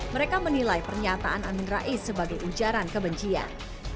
mereka menilai pernyataan amin rais sebagai ujaran kebencian